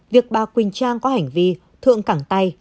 việc bà quỳnh trang có hành vi thượng cẳng tay